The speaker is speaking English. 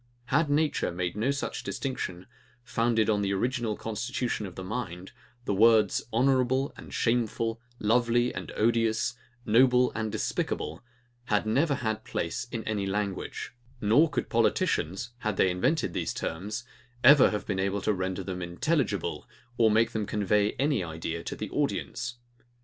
Had nature made no such distinction, founded on the original constitution of the mind, the words, HONOURABLE and SHAMEFUL, LOVELY and ODIOUS, NOBLE and DESPICABLE, had never had place in any language; nor could politicians, had they invented these terms, ever have been able to render them intelligible, or make them convey any idea to the audience.